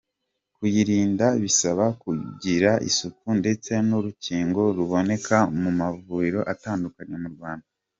Kuyirinda bisaba kugira isuku ndetse n’urukingo ruboneka mu mavuriro atandukanye mu Rwanda.